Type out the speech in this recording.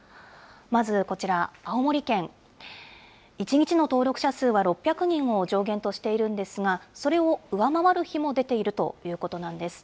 まずこちら、青森県、１日の登録者数は６００人を上限としているんですが、それを上回る日も出ているということなんです。